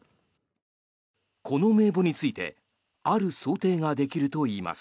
この名簿についてある想定ができるといいます。